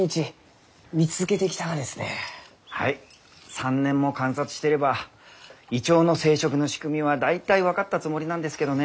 ３年も観察してればイチョウの生殖の仕組みは大体分かったつもりなんですけどね。